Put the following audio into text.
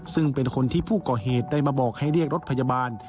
ซึ่งเป็นคนที่ผู้ก่อเหตุได้มาบอกให้เรียกรถพยาบาล